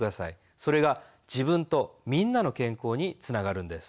それが自分とみんなの健康につながるんです。